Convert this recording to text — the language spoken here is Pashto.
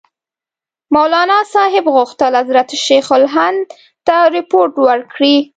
مولناصاحب غوښتل حضرت شیخ الهند ته رپوټ ورکړي.